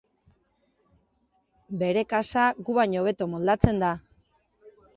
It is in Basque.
Bere kasa gu baino hobeto moldatzen da.